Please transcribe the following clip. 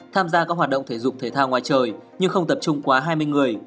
tham gia các hoạt động thể dục thể thao ngoài trời nhưng không tập trung quá hai mươi người